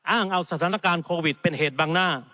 อ้างเอาสถานการณ์โควิดเป็นเหตุบังหน้า